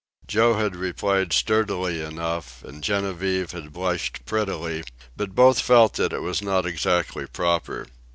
Joe had replied sturdily enough, and Genevieve had blushed prettily; but both felt that it was not exactly proper.